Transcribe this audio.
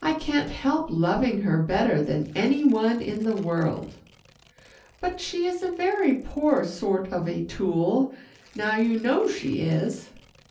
I can't help loving her better than any one in the world." "But she is a very poor sort of a tool now you know she is."